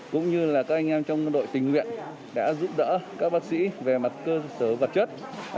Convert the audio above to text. cũng như là các anh em trong đội tình nguyện đã giúp đỡ các bác sĩ về mặt cơ sở vật chất